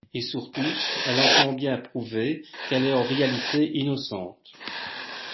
Et surtout, elle entend bien prouver qu'elle est en réalité innocente.